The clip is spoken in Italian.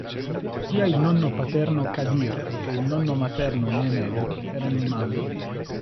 Sia il nonno paterno Kadir che il nonno materno Mehmed erano imam.